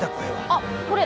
あっこれ。